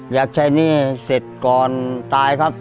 อยากใช้หนี้เสร็จก่อนตายครับ